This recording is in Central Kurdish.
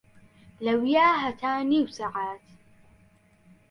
لەویا هەتا نیو سەعات